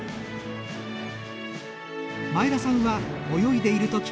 前田さんは泳いでいるとき